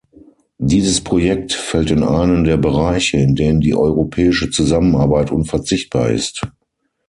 Dieses Projekt fällt in einen der Bereiche, in denen die europäische Zusammenarbeit unverzichtbar ist.